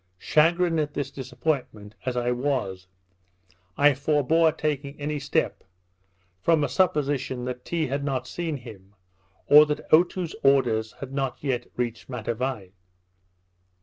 Chagrined at this disappointment as I was, I forbore taking any step, from a supposition that Tee had not seen him, or that Otoo's orders had not yet reached Matavai.